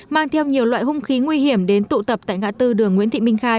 mang theo nhiều loại hung khí nguy hiểm đến tụ tập tại ngã tư đường nguyễn thị minh khai